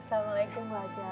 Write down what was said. assalamualaikum bu haja